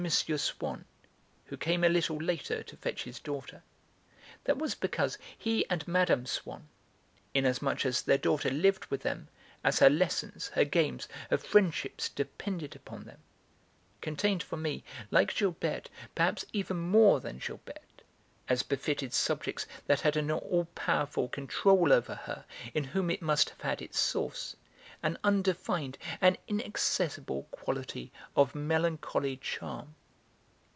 Swann, who came a little later to fetch his daughter. That was because he and Mme. Swann inasmuch as their daughter lived with them, as her lessons, her games, her friendships depended upon them contained for me, like Gilberte, perhaps even more than Gilberte, as befitted subjects that had an all powerful control over her in whom it must have had its source, an undefined, an inaccessible quality of melancholy charm.